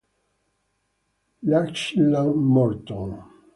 Lachlan Morton